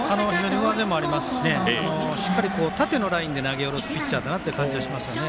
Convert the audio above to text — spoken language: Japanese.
上背もありますし縦のラインで投げ下ろすピッチャーだなという感じはしますよね。